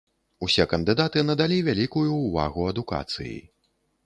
Усе кандыдаты надалі вялікую ўвагу адукацыі.